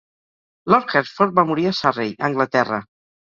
Lord Hertford va morir a Surrey (Anglaterra).